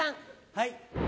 はい。